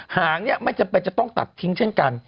หางเนี่ยไม่จำเป็นจะต้องตัดทิ้งเช่นกัน